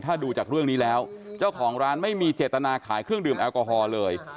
ถ้าดูจากเรื่องนี้แล้วเจ้าของร้านไม่มีเจตนาขายเครื่องดื่มแอลกอฮอล์เลย